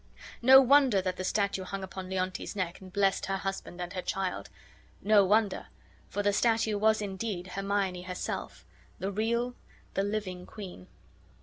No wonder that the statue hung upon Leontes's neck and blessed her husband and her child. No wonder; for the statue was indeed Hermione herself, the real, the living queen.